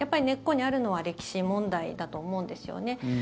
根っこにあるのは歴史問題だと思うんですよね。